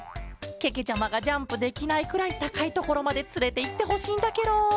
けけちゃまがジャンプできないくらいたかいところまでつれていってほしいんだケロ！